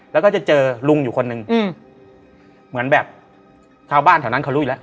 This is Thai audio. แล้วก็จะเจอลุงอยู่คนหนึ่งอืมเหมือนแบบชาวบ้านแถวนั้นเขารู้อยู่แล้ว